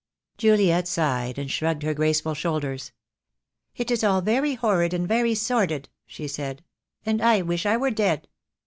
Juliet sighed, and shrugged her graceful shoulders. "It is all very horrid and very sordid," she said, "and I wish I were dead."